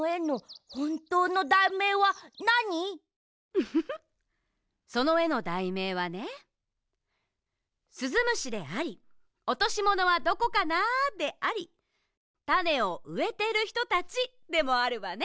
ウフフそのえのだいめいはね「すずむし」であり「おとしものはどこかな」であり「たねをうえているひとたち」でもあるわね。